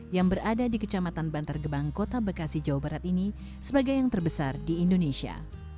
yang berada di kecamatan bantar gebang kota bekasi jawa barat ini sebagai yang terbesar di indonesia